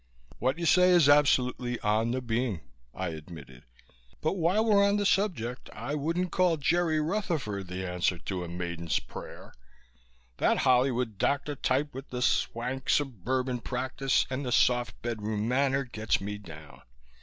"What you say is absolutely on the beam," I admitted. "But while we're on the subject I wouldn't call Jerry Rutherford the answer to a maiden's prayer. That Hollywood doctor type with the swank suburban practice and the soft bedroom manner gets me down.